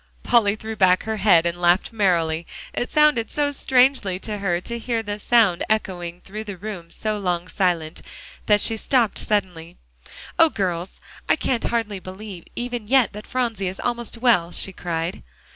Polly threw back her head and laughed merrily. It sounded so strangely to her to hear the sound echoing through the room so long silent, that she stopped suddenly. "Oh, girls! I can't hardly believe even yet that Phronsie is almost well," she cried.